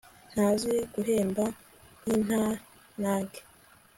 Ntazi guhemba nkintanage